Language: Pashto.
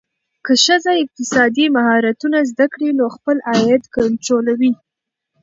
که ښځه اقتصادي مهارتونه زده کړي، نو خپل عاید کنټرولوي.